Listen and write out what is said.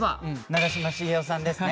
長嶋茂雄さんですね。